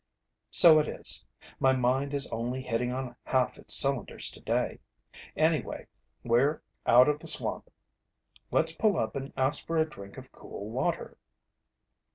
"So it is. My mind is only hitting on half its cylinders today. Anyway, we're out of the swamp. Let's pull up and ask for a drink of cool water."